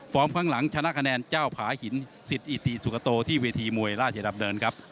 ฟอร์มข้างหลังชนะคะแนนเจ้าผาหินศิษย์อิติศุกโตที่เวทีมวยราชดับเดินครับ